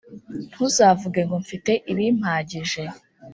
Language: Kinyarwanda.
Ntuzavuge ngo «Mfite ibimpagije,